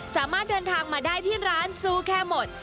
สามารถเดินทางมาได้ที่ร้านซูแคร์หมด